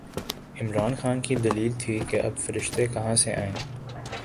عمران خان کی دلیل تھی کہ اب فرشتے کہاں سے آئیں؟